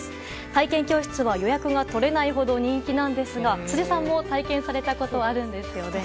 体験教室は予約が取れないほど人気なんですが辻さんも体験されたことあるんですよね？